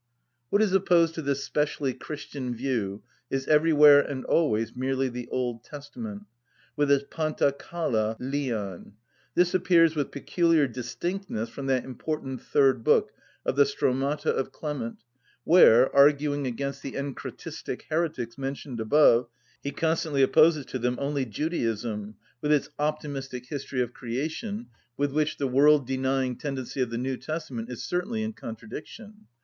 What is opposed to this specially Christian view is everywhere and always merely the Old Testament, with its παντα καλα λιαν. This appears with peculiar distinctness from that important third book of the Stromata of Clement, where, arguing against the encratistic heretics mentioned above, he constantly opposes to them only Judaism, with its optimistic history of creation, with which the world‐denying tendency of the New Testament is certainly in contradiction.